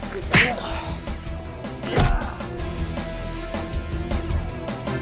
kamu aja gak berani gimana aku